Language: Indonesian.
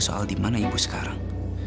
soal di mana ibu sekarang